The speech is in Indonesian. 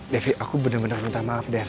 devi aku bener bener minta maaf